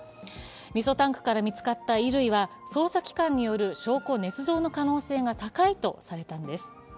みそタンクから見つかった衣類は、捜査機関による証拠ねつ造の可能性が高いとされたんです。